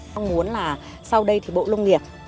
tôi muốn là sau đây thì bộ nông nghiệp